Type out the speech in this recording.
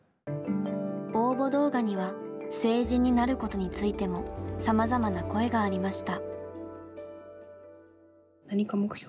応募動画には成人になることについてもさまざまな声がありました。